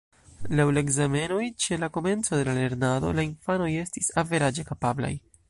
Laŭ la ekzamenoj ĉe la komenco de la lernado la infanoj estis averaĝe kapablaj.